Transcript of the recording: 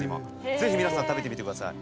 ぜひ皆さん食べてみてください。